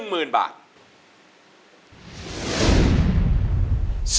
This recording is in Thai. ไม่ใช้